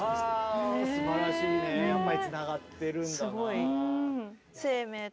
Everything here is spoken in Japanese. あすばらしいねやっぱりつながってるんだな。